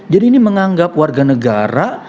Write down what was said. jadi ini menganggap warga negara